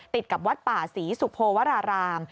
ติดกับวัดป่าศรีสุโพวราราม